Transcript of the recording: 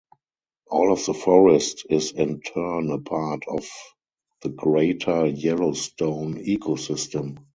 All of the forest is in turn a part of the Greater Yellowstone Ecosystem.